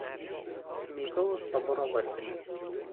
Mykolo soboro varpinė.